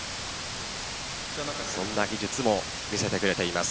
そんな技術も見せてくれています。